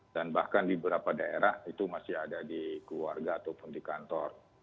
dan bahkan di beberapa daerah itu masih ada di keluarga ataupun di kantor